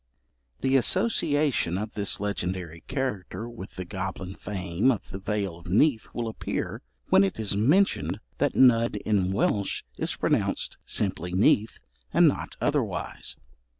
The association of this legendary character with the goblin fame of the Vale of Neath will appear, when it is mentioned that Nudd in Welsh is pronounced simply Neath, and not otherwise.